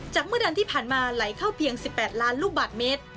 เมื่อดันที่ผ่านมาไหลเข้าเพียง๑๘ล้านลูกบาทเมตร